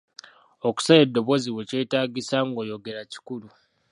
Okusala eddoboozi wekyetaagisa ng'oyogera kikulu.